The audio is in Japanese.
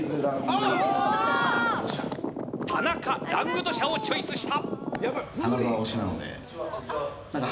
田中ラングドシャをチョイスした！